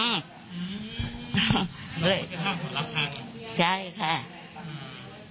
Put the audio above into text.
คุณตานก็สั่งหัวละครั้ง